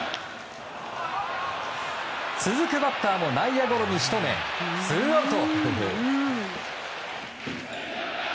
続くバッターも内野ゴロに仕留め、ツーアウト。